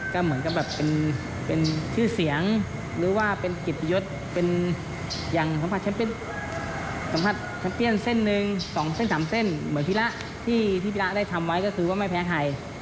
ก็เหมือนกับแบบเป็นชื่อเสียงหรือว่าเป็นเกียรติยศเป็นอย่างสัมผัสแชมสัมผัสแชมเปียนเส้นหนึ่ง๒เส้น๓เส้นเหมือนธีระที่พี่ระได้ทำไว้ก็คือว่าไม่แพ้ใคร